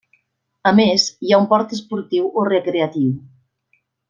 A més, hi ha un port esportiu o recreatiu.